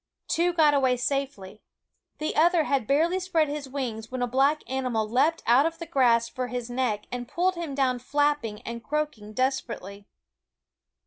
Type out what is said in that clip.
Two got away safely; the other had barely spread his wings when a black animal leaped out of the grass for his neck and pulled him down flapping and croaking desperately.